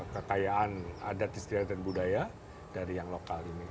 kekayaan adat istirahat dan budaya dari yang lokal ini